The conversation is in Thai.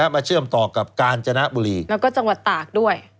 เชื่อมต่อกับกาญจนบุรีแล้วก็จังหวัดตากด้วย